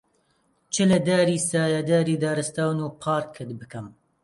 چ لە داری سایەداری دارستان و پارکت بکەم،